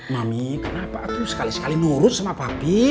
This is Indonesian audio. mami kenapa tuh sekali sekali nurut sama papi